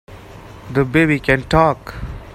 The baby can TALK!